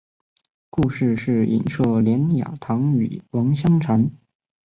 故事是隐射连雅堂与王香禅。